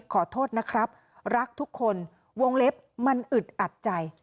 ขอโทษนะครับรักทุกคนวงเล็บมันอึดอัดใจ